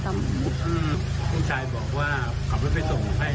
ส่งที่โวโคจังหวาน